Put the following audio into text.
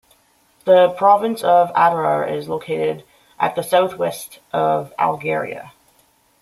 The province of Adrar is located at the south-west of Algeria.